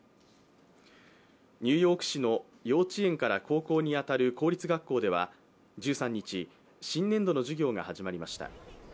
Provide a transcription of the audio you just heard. ニューヨーク市の幼稚園から高校に当たる公立学校では１３日、新年度の授業が始まりました。